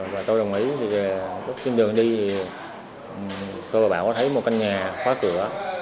và tôi đồng ý lúc trên đường đi tôi và bảo có thấy một căn nhà khóa cửa